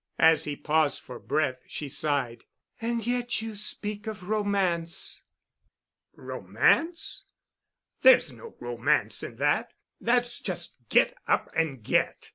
As he paused for breath she sighed. "And yet you speak of romance." "Romance? There's no romance in that. That's just get up and get.